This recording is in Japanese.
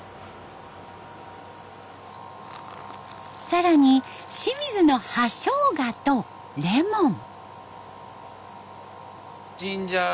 更に清水の葉ショウガとレモン。